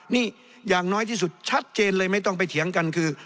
นี่อย่างน้อยที่สุดชัดเจนเลยไม่ต้องไปเถียงกันคือ